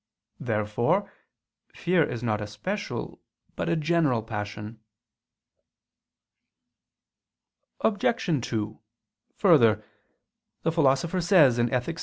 Therefore fear is not a special but a general passion. Obj. 2: Further, the Philosopher says (Ethic.